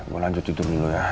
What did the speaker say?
mau lanjut tidur dulu ya